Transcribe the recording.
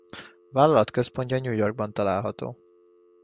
A vállalat központja New Yorkban található.